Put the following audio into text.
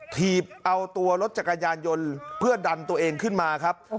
ถีบเอาตัวรถจักรยานยนต์เพื่อดันตัวเองขึ้นมาครับ